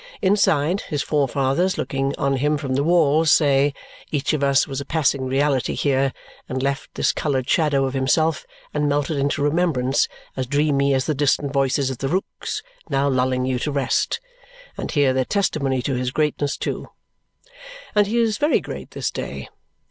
Inside, his forefathers, looking on him from the walls, say, "Each of us was a passing reality here and left this coloured shadow of himself and melted into remembrance as dreamy as the distant voices of the rooks now lulling you to rest," and hear their testimony to his greatness too. And he is very great this day.